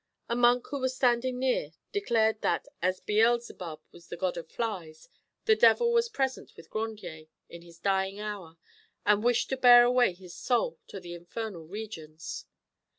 A monk who was standing near declared that, as Beelzebub was the god of flies, the devil was present with Grandier in his dying hour and wished to bear away his soul to the infernal regions.